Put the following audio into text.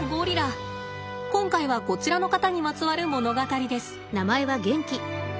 今回はこちらの方にまつわる物語です。